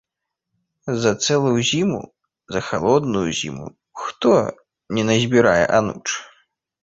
За цэлую зіму, за халодную зіму, хто не назбірае ануч?